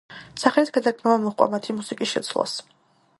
სახელის გადარქმევა მოჰყვა მათი მუსიკის შეცვლას.